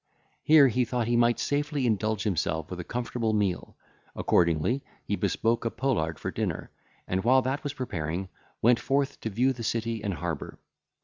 Here he thought he might safely indulge himself with a comfortable meal; accordingly he bespoke a poulard for dinner, and while that was preparing, went forth to view the city and harbour.